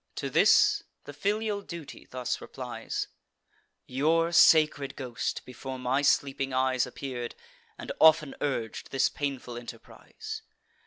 To this, the filial duty thus replies: "Your sacred ghost before my sleeping eyes Appear'd, and often urg'd this painful enterprise.